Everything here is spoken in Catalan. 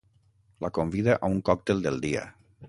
La convida a un còctel del dia.